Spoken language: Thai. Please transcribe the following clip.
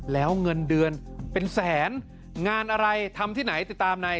แล้วเงินเดือนเป็นแสนงานอะไรทำที่ไหนติดตามใน